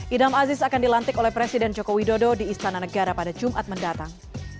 idam aziz akan dilantik oleh presiden joko widodo di istana negara pada jumat mendatang